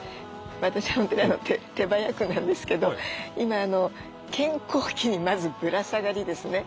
私本当に手早くなんですけど今健康器にまずぶら下がりですね